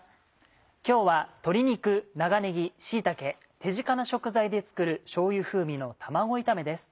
今日は鶏肉長ねぎ椎茸手近な食材で作るしょうゆ風味の卵炒めです。